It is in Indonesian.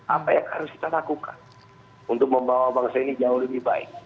apa yang harus kita lakukan untuk membawa bangsa ini jauh lebih baik